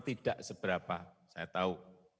tidak seberapa saya tahu